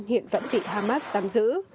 hiện vẫn bị hamas giam giữ